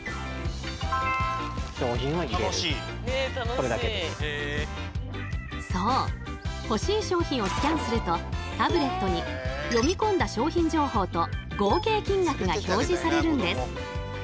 このようにそう欲しい商品をスキャンするとタブレットに読み込んだ商品情報と合計金額が表示されるんです。